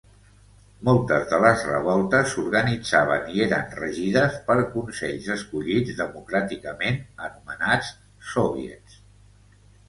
Moltes de les revoltes s'organitzaven i eren regides per consells escollits democràticament anomenats soviets.